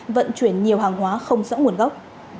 lận chuyển nhiều hàng hóa không rõ nguồn gốc